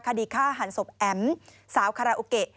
คดีฆ่าหันศพแอ๋มสาวคาราโอเกะ